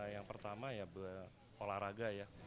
yang pertama ya olahraga